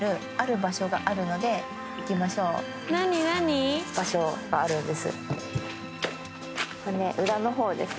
場所があるんです。